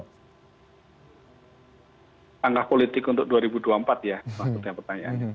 langkah politik untuk dua ribu dua puluh empat ya maksudnya pertanyaannya